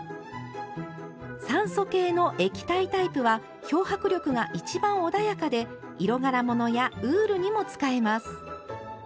酸素系の液体タイプは漂白力が一番穏やかで色柄物やウールにも使えます。